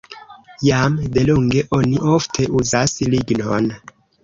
Jam delonge oni ofte uzas lignon.